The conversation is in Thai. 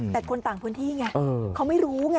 แต่คนต่างพื้นที่ไงเขาไม่รู้ไง